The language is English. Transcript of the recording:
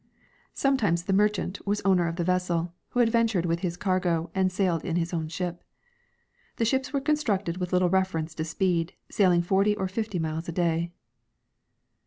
Sometimes the merchant was owner of the vessel, who adventured with his cargo and sailed in his own ship. The ships were constructed with little reference to speed, sailing forty or fifty miles a day.